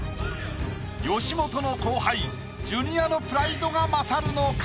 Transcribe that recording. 吉本の後輩ジュニアのプライドが優るのか？